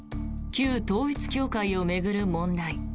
旧統一教会を巡る問題。